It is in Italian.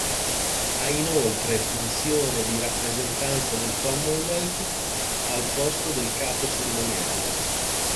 Ha inoltre funzione di rappresentanza del Commonwealth al posto del Capo cerimoniale.